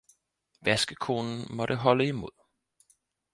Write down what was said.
vaskekonen måtte holde imod.